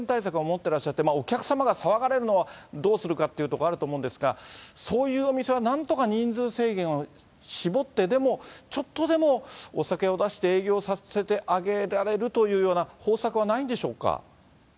てらっしゃって、お客さんが騒がれるのはどうするかっていうところはあると思うんですが、そういうお店はなんとか人数制限を絞ってでも、ちょっとでもお酒を出して営業させてあげられるというような方策